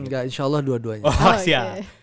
gak insya allah dua duanya